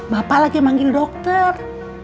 bapak lagi mangin dokter